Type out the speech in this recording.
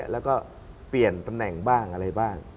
แล้วก็เปลี่ยนตำแหน่งบ้างอะไรบ้าง